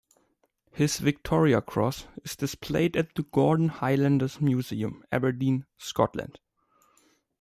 His Victoria Cross is displayed at the Gordon Highlanders Museum, Aberdeen, Scotland.